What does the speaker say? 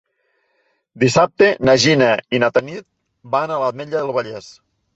Dissabte na Gina i na Tanit van a l'Ametlla del Vallès.